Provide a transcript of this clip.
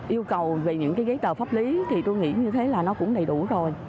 yêu cầu về những cái giấy tờ pháp lý thì tôi nghĩ như thế là nó cũng đầy đủ rồi